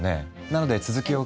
なので続きを。